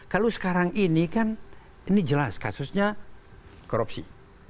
kalau sekarang ini kan ini jelas kasusnya korupsi